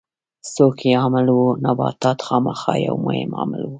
څوک یې عامل وو؟ نباتات خامخا یو مهم عامل و.